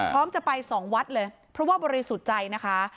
พร้อมจะไปสองวัดเลยเพราะว่าบริสุทธิ์ใจนะคะ